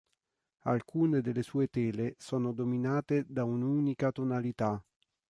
Alcune delle sue tele sono dominate da un'unica tonalità.